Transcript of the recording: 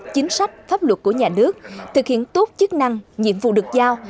chính sách pháp luật của nhà nước thực hiện tốt chức năng nhiệm vụ được giao